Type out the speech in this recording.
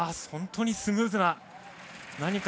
本当にスムーズな。